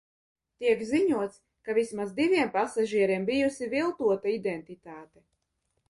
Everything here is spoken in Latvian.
Tiek ziņots, ka vismaz diviem pasažieriem bijusi viltota identitāte.